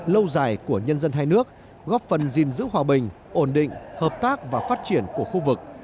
lâu dài của nhân dân hai nước góp phần gìn giữ hòa bình ổn định hợp tác và phát triển của khu vực